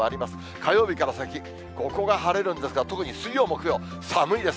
火曜日から先、ここが晴れるんですが、特に水曜、木曜、寒いです。